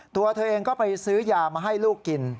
ตัวเธอเองก็ไปซื้อยามาให้ลูกกิน